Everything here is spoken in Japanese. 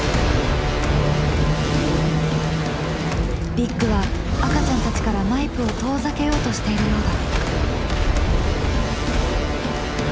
ビッグは赤ちゃんたちからマイプを遠ざけようとしているようだ。